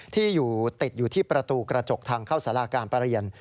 ที่อยู่ติดอยู่ที่ประตูกระจกทางเข้าสาราการประเรียน